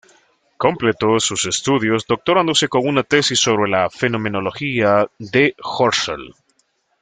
Completó sus estudios doctorándose con una tesis sobre la Fenomenología de Husserl.